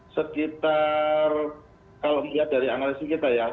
sekitar kalau kita lihat dari analisi kita ya